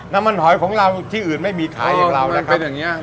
น้ำมันหอยของเราที่อื่นไม่มีขายอีกเรานะครับอ้อมันเป็นอย่างเงี้ย